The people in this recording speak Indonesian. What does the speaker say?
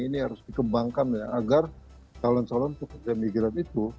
ini harus dikembangkan ya agar calon calon pekerja migran itu